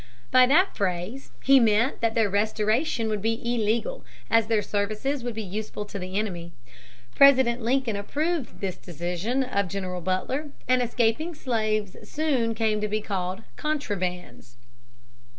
By that phrase he meant that their restoration would be illegal as their services would be useful to the enemy. President Lincoln approved this decision of General Butler, and escaping slaves soon came to be called "Contrabands."